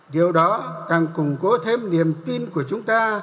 điều đó càng củng cố thêm niềm tin của chúng ta